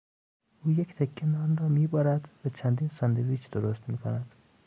او یک تکه نان را میبرد و چندین ساندویچ درست میکند.